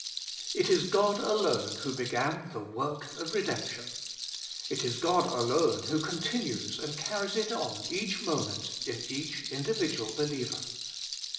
It is God alone who began the work of redemption ; it is God alone who continues and carries it on each moment in each individual believer.